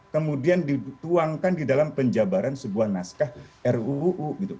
kemudian dituangkan di dalam penjabaran sebuah naskah ruu gitu